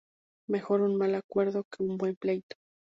Mejor un mal acuerdo que un buen pleito